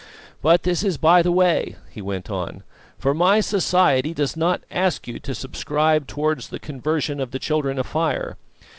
"But this is by the way," he went on; "for my Society does not ask you to subscribe towards the conversion of the Children of Fire.